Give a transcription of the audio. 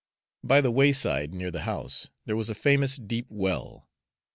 By the wayside, near the house, there was a famous deep well.